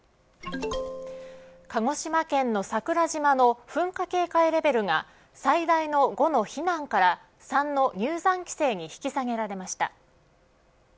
鹿児島県の桜島の噴火警戒レベルが最大の５の避難から３の入山規制に引き下げられました。